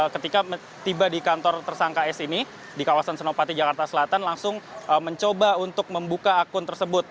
ketika tiba di kantor tersangka s ini di kawasan senopati jakarta selatan langsung mencoba untuk membuka akun tersebut